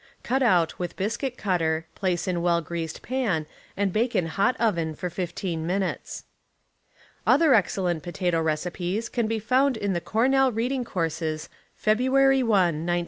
Cut out with biscuit cutter, place in well greased pan and bake in hot oven for 15 minutes. Other excellent potato recipes can be found in The Cornell Reading Courses, Feb. 1, 1915. .